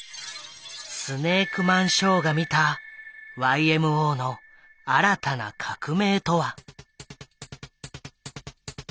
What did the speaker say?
スネークマンショーが見たＹＭＯの新たな革命とは。